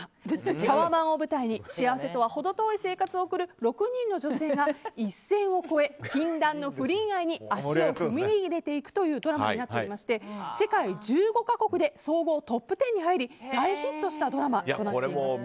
タワマンを舞台に幸せとは程遠い生活を送る６人の女性が一線を越え、禁断の不倫愛に足を踏み入れていくというドラマになっておりまして世界１５か国で総合トップ１０に入り大ヒットしたドラマとなっています。